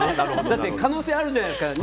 だって可能性あるじゃないですか。